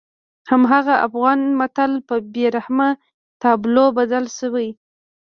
هماغه افغان متل په بېرحمه تابلو بدل شوی.